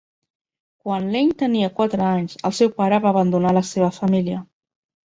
Quan Lane tenia quatre anys el seu pare va abandonar la seva família.